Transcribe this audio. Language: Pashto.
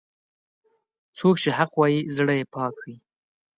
څوک چې حق وايي، زړه یې پاک وي.